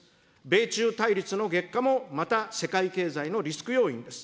米中対立の激化もまた世界経済のリスク要因です。